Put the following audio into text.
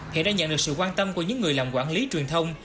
hiện đang nhận được sự quan tâm của những người làm quản lý truyền thông